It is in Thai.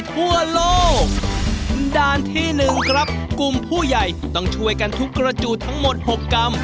ทั่วโลกด้านที่หนึ่งครับกลุ่มผู้ใหญ่ต้องช่วยกันทุกกระจูดทั้งหมดหกกรรม